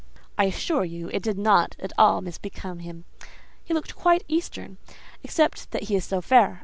I assure you it did not at all misbecome him; he looked quite Eastern, except that he is so fair.